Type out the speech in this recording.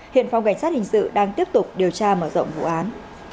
hiện phòng cảnh sát hình sự đang tiếp tục điều tra mở rộng vụ án